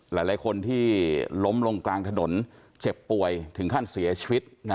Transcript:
หลายคนที่ล้มลงกลางถนนเจ็บป่วยถึงขั้นเสียชีวิต